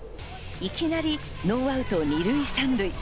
いきなりノーアウト２塁３塁。